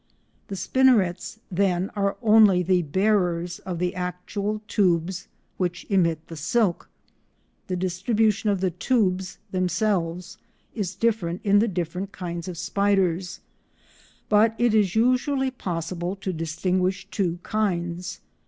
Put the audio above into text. The spinnerets, then, are only the bearers of the actual tubes which emit the silk. The distribution of the tubes themselves is different in the different kinds of spiders, but it is usually possible to distinguish two kinds.